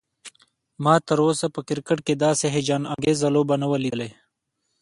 ما تراوسه په کرکټ کې داسې هيجان انګیزه لوبه نه وه لیدلی